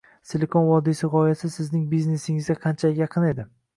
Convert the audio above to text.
Silikon vodiysi gʻoyasi sizning biznesingizga qanchalik yaqin edi?